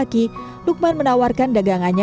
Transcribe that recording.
kaki lukman menawarkan dagangannya